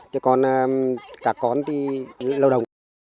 còn các con thì lâu đồng